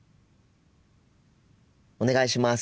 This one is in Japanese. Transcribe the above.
お願いします。